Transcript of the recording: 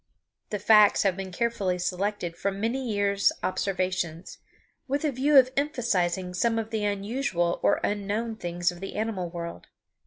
The facts have been carefully selected from many years' observations, with a view of emphasizing some of the unusual or unknown things of the animal world.